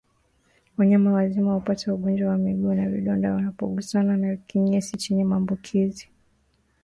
Wanyama wazima hupata ugonjwa wa miguu na midomo wanapogusana na kinyesi chenye maambukizi